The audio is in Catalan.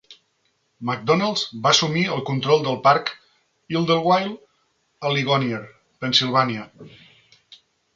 Macdonald va assumir el control del parc Idlewild a Ligonier, Pennsilvània.